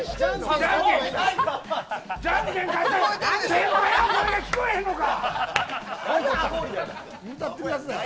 先輩の声が聞こえへんのか。